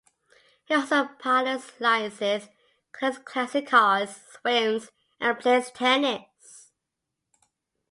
He holds a pilot's licence, collects classic cars, swims and plays tennis.